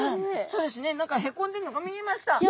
そうですね何か凹んでるのが見えました。